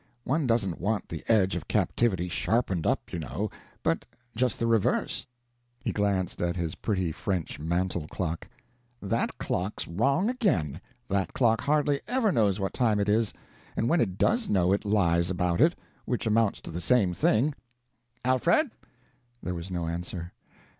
One doesn't want the edge of captivity sharpened up, you know, but just the reverse." He glanced at his pretty French mantel clock. "That clock's wrong again. That clock hardly ever knows what time it is; and when it does know, it lies about it which amounts to the same thing. Alfred!" There was no answer.